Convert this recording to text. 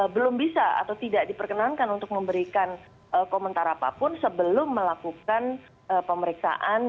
belum bisa atau tidak diperkenankan untuk memberikan komentar apapun sebelum melakukan pemeriksaan